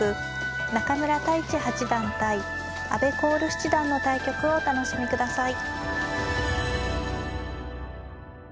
中村太地八段対阿部光瑠七段の対局をお楽しみください。